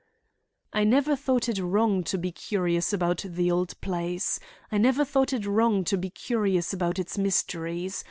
"I never thought it wrong to be curious about the old place; I never thought it wrong to be curious about its mysteries.